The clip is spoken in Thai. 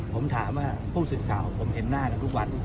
ผมถามว่าผู้สื่อข่าวผมเห็นหน้ากันทุกวัน